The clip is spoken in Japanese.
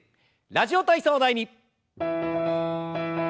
「ラジオ体操第２」。